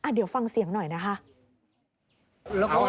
เดี๋ยวฟังเสียงหน่อยนะคะ